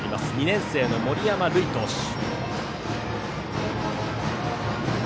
２年生の森山塁投手。